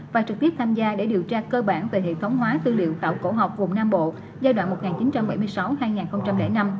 và trực tiếp tham gia để điều tra cơ bản về hệ thống hóa tư liệu tạo cổ học vùng nam bộ giai đoạn một nghìn chín trăm bảy mươi sáu hai nghìn năm